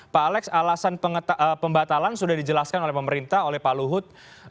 pak alex alasan pembatalan sudah dijelaskan oleh pemerintah oleh pak luhut